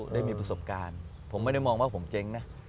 ได้มีประสบการณ์ผมไม่ได้มองว่าผมเจ๊งนะ